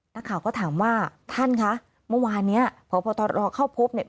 นักข่าวก็ถามว่าท่านคะเมื่อวานเนี้ยพบตรเข้าพบเนี่ย